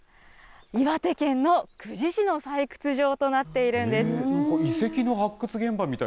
岩手県の久慈市の採掘場となっているんです。